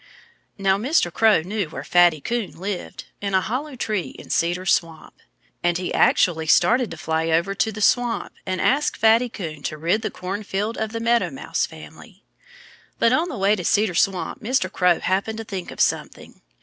Now, Mr. Crow knew where Fatty Coon lived, in a hollow tree in Cedar Swamp. And he actually started to fly over to the Swamp and ask Fatty Coon to rid the cornfield of the Meadow Mouse family. But on the way to Cedar Swamp Mr. Crow happened to think of something.